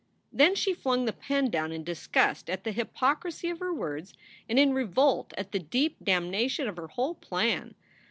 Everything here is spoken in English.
Then she flung the pen down in disgust at the hypocrisy of her words and in revolt at the deep damnation of her whole plan.